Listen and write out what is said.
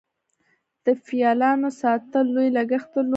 د فیلانو ساتل لوی لګښت درلود